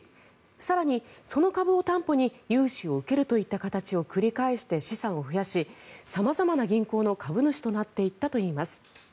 更に、その株を担保に融資を受けるといった形を繰り返して資産を増やし様々な銀行の株主となっていったといいます。